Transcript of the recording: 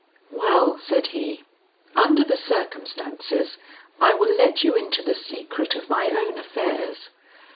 "Well," said he, "under the circumstances I will let you into the secret of my own affairs.